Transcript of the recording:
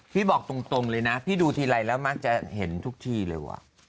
พี่บอกตรงเลยนะพี่ดูทีไรแล้วมักจะเห็นทุกทีเลยว่ะ